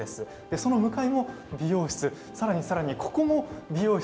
その向かいも美容室、さらにさらに、ここも美容室。